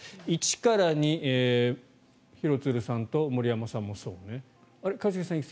１から２廣津留さんと森山さんもそう。